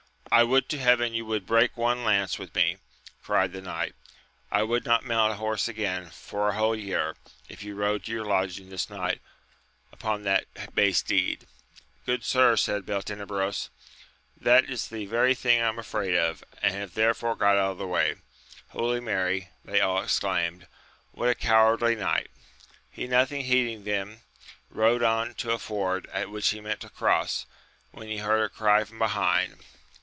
I would to heaven you would break one lance with me ! cried the knight ; I would not mount a horse again for a whole year, if you rode to your lodging this night upon that 26 AMADIS OF GAUL. bay steed ! Good sir, said Beltenebros, that is the very thing I am afraid of, and have therefore got out of the way. Holy Mary, they all exclaimed, what a cowardly knight ! He nothing heeding them, rode on to a ford, at which he meant to cross, when he heard a cry from behind.